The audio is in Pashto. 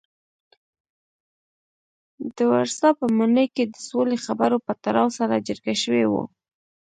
د ورسا په ماڼۍ کې د سولې خبرو په تړاو سره جرګه شوي وو.